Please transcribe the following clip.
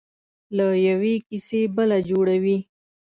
له یوې کیسې بله جوړوي.